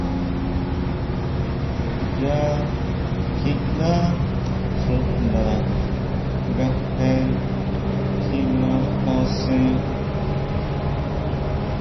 Nya kjiʼndá xuʼnda nga je kjima asen.